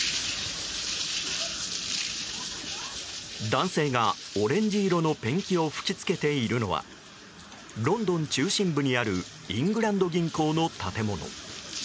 男性がオレンジ色のペンキを吹き付けているのはロンドン中心部にあるイングランド銀行の建物。